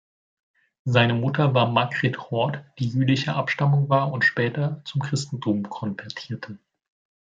Seine Mutter war Margaret Hort, die jüdischer Abstammung war und später zum Christentum konvertierte.